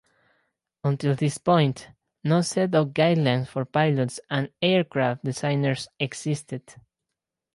Until this point, no set of guidelines for pilots and aircraft designers existed.